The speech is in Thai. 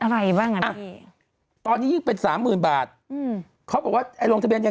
อะไรบ้างอ่ะตอนนี้ยิ่งเป็น๓๐๐๐๐บาทเขาบอกว่าลงทะเบียน